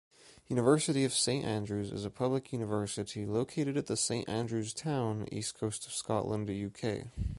University of St Andrews is a public university located at the St. Andrews town, east coast of Scotland, U.K.